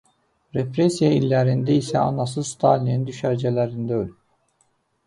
Repressiya illərində isə anası Stalinin düşərgələrində ölüb.